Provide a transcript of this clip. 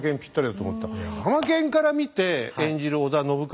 もうハマケンから見て演じる織田信雄